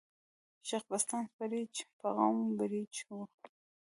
شېخ بستان برېڅ په قوم بړېڅ ؤ.